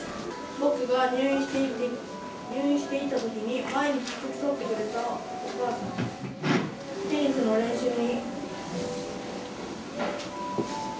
僕が入院していたときに、毎日付き添ってくれたお母さん、テニスの練習に。